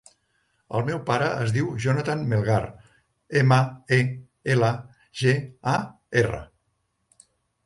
El meu pare es diu Jonathan Melgar: ema, e, ela, ge, a, erra.